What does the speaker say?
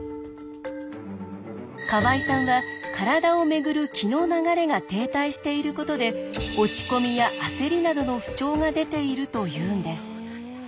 河合さんは体を巡る気の流れが停滞していることで落ち込みや焦りなどの不調が出ているというんです。